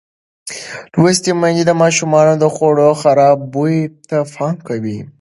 لوستې میندې د ماشومانو د خوړو خراب بوی ته پام کوي.